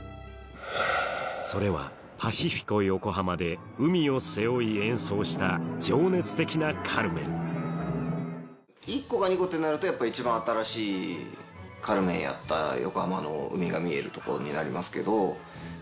それはパシフィコ横浜で海を背負い演奏した情熱的な『カルメン』１個か２個ってなるとやっぱ一番新しい『カルメン』やった横浜の海が見えるとこになりますけど。